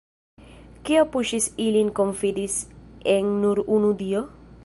Kio puŝis ilin konfidis en nur unu Dio?